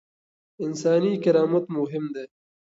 انساني کرامت مهم دی.